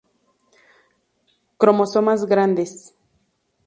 Cromosomas ‘grandes’.